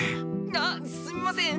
あっすみません。